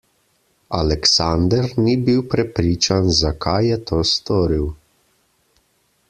Aleksander ni bil prepričan, zakaj je to storil.